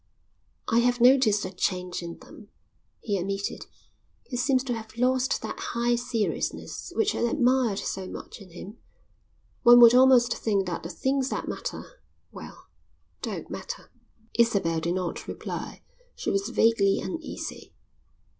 "I have noticed a change in them," he admitted. "He seems to have lost that high seriousness which I admired so much in him. One would almost think that the things that matter well, don't matter." Isabel did not reply. She was vaguely uneasy.